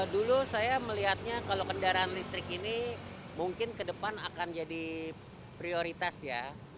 dulu saya melihatnya kalau kendaraan listrik ini mungkin ke depan akan jadi prioritas ya